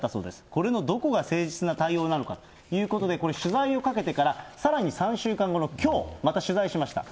これのどこが誠実な対応なんだということで、取材をかけてから、さらに３週間後のきょう、また取材しました。